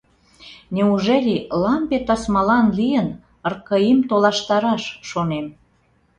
«Неужели лампе тасмалан лийын РКИ-м толаштараш», — шонем.